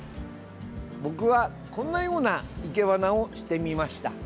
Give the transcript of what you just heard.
僕は、こんなような生け花をしてみました。